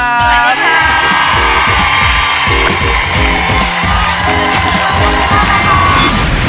สวัสดีครับ